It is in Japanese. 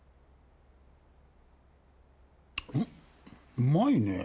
うまいねぇ。